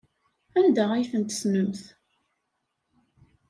Anda ay ten-tessnemt?